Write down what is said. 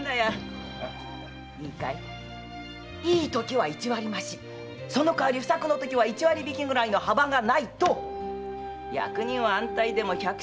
いいかいいいときは一割増しその代わり不作のときは一割引きぐらいの幅がないと役人は安泰でも百姓は死人が出る。